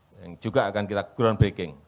yang juga akan kita groundbreaking